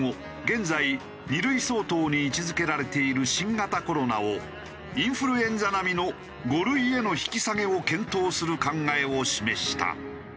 現在２類相当に位置付けられている新型コロナをインフルエンザ並みの５類への引き下げを検討する考えを示した。